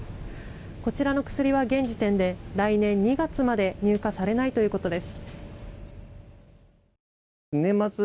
こちらの薬は現時点で来年２月まで入荷されないということです。